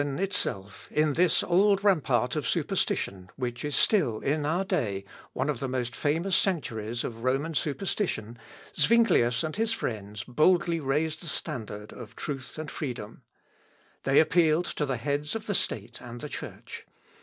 Thus in Einsidlen itself, in this old rampart of superstition, which is still, in our day, one of the most famous sanctuaries of Roman superstition, Zuinglius and his friends boldly raised the standard of truth and freedom. They appealed to the heads of the State and the Church.